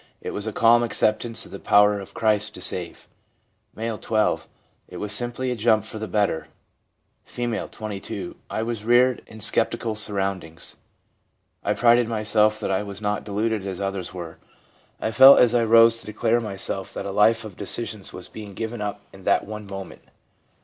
It was a calm acceptance of the power of Christ to save.' M., 12. ' It was simply a jump for the better.' R, 22. ' I was reared in sceptical surround ings. I prided myself that I was not deluded as others were. ... I felt as I rose to declare myself that a life of decisions was being given np in that one moment.